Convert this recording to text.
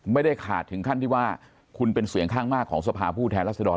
ไม่ได้ขาดถึงขั้นที่ว่าคุณเป็นเสียงข้างมากของสภาผู้แทนรัศดร